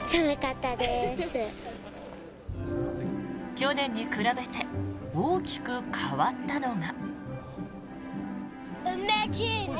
去年に比べて大きく変わったのが。